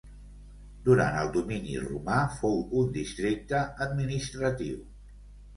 Durant el domini romà fou un districte administratiu.